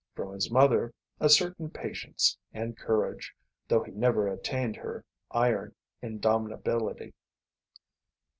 From his mother, a certain patience and courage, though he never attained her iron indomitability.